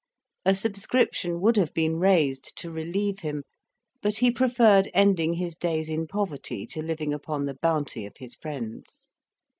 A subscription would have been raised to relieve him, but he preferred ending his days in poverty to living upon the bounty of his friends.